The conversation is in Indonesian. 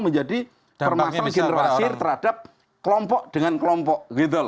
menjadi permasalahan generasi terhadap kelompok dengan kelompok